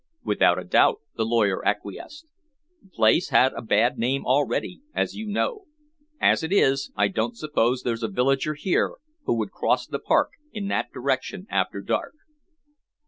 "Without a doubt," the lawyer acquiesced. "The place had a bad name already, as you know. As it is, I don't suppose there's a villager here would cross the park in that direction after dark."